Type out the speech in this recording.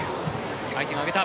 相手が上げた。